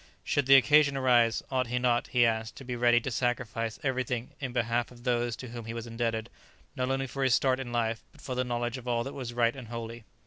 Should the occasion arise, ought he not, he asked, to be ready to sacrifice everything in behalf of those to whom he was indebted not only for his start in life, but for the knowledge of all that was right and holy?